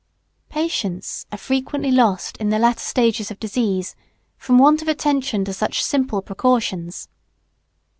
Patients are frequently lost in the latter stages of disease from want of attention to such simple precautions.